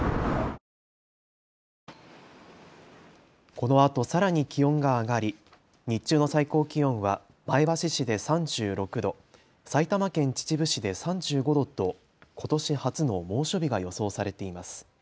このあとさらに気温が上がり日中の最高気温は前橋市で３６度、埼玉県秩父市で３５度とことし初の猛暑日が予想されています。